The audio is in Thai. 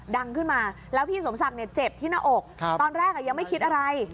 ดังขึ้นมาแล้วพี่สมศักดิ์เจ็บที่หน้าอกตอนแรกยังไม่คิดอะไร